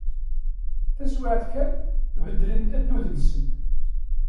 Taswiɛt kan, beddlent addud-nsent.